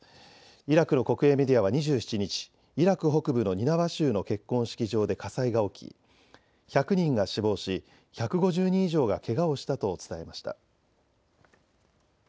イラクの国営メディアは２７日、イラク北部のニナワ州の結婚式場で火災が起き１００人が死亡し１５０人以上がけがをしたと伝えました。